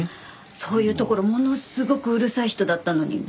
そういうところものすごくうるさい人だったのに。